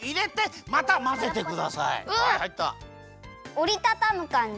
おりたたむかんじ？